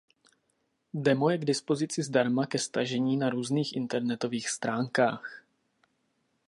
Demo je k dispozici zdarma ke stažení na různých internetových stránkách.